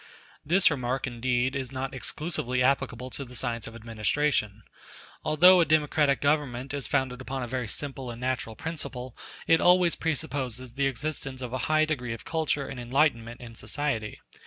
This remark, indeed, is not exclusively applicable to the science of administration. Although a democratic government is founded upon a very simple and natural principle, it always presupposes the existence of a high degree of culture and enlightenment in society.